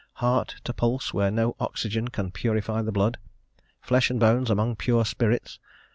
heart to pulse where no oxygen can purify the blood? flesh and bones among pure spirits?